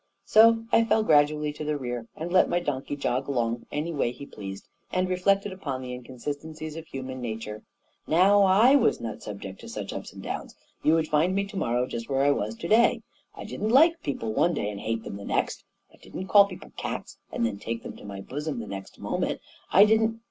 So I fell gradually to the rear, and let my donkey jog along any why he pleased, and reflected upon the inconsistencies of human nature. Now / was i 4 o A KING IN BABYLON not subject to such ups and downs. You would find me to morrow just where I was to day. I didn't like people one day and hate them the next; I didn't call people cats and then take them to my bosom the next moment I I didn't «